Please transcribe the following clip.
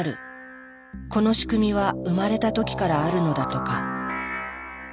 この仕組みは生まれた時からあるのだとか。